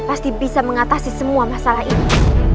pasti bisa mengatasi semua masalah ini